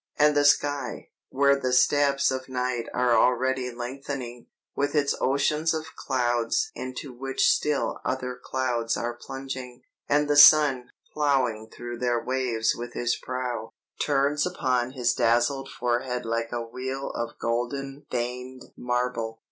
"And the sky, where the steps of night are already lengthening, with its oceans of clouds into which still other clouds are plunging, and the sun, ploughing through their waves with his prow, turns upon his dazzled forehead like a wheel of golden veined marble.